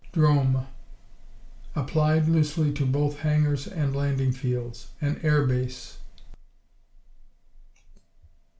'Drome Applied loosely to both hangars and landing fields. An air base.